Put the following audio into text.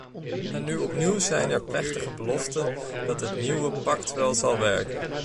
En nu opnieuw zijn er plechtige beloften dat het nieuwe pact wel zal werken.